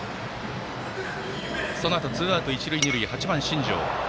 そのあとツーアウト、一塁二塁で８番の新城。